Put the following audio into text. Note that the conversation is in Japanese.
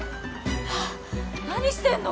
何してんの？